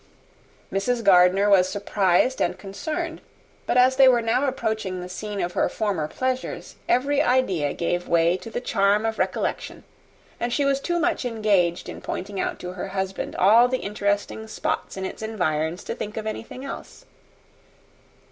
Mrs. Gardiner was surprised and concerned: but as they were now approaching the scene of her former pleasures, every idea gave way to the charm of recollection; and she was too much engaged in pointing out to her husband all the interesting spots in its environs, to think of anything else.